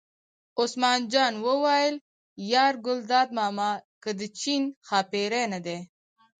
عثمان جان وویل: یار ګلداد ماما که د چین ښاپېرۍ نه دي.